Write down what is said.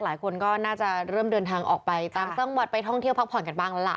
หลายคนก็น่าจะเริ่มเดินทางออกไปต่างจังหวัดไปท่องเที่ยวพักผ่อนกันบ้างแล้วล่ะ